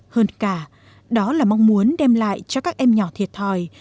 hơn cả đó là mong muốn đem lại cho các em nhỏ thiệt thòi